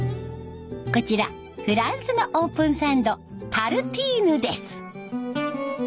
こちらフランスのオープンサンドタルティーヌです。